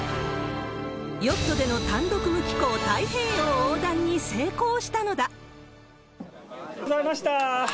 ヨットでの単独無寄港太平洋横断に成功したのだ。